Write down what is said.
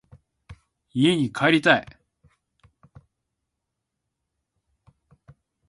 家に帰りたい。